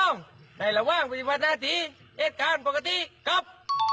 ในระหว่างปฏิบัติหน้าที่เหตุการณ์ปกติกลับ